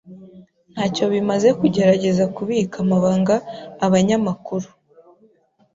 Ntacyo bimaze kugerageza kubika amabanga abanyamakuru.